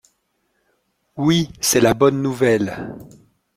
Oui, c'est la bonne nouvelle.